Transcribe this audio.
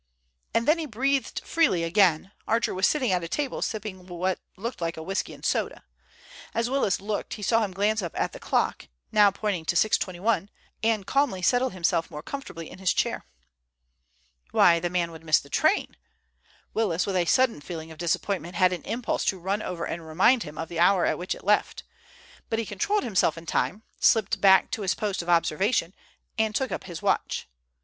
And then he breathed freely again. Archer was sitting at a table sipping what looked like a whisky and soda. As Willis looked he saw him glance up at the clock—now pointing to 6.21—and calmly settle himself more comfortably in his chair! Why, the man would miss the train! Willis, with a sudden feeling of disappointment, had an impulse to run over and remind him of the hour at which it left. But he controlled himself in time, slipped back to his post of observation, and took up his watch.